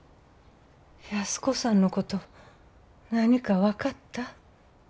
安子さんのこと何か分かった？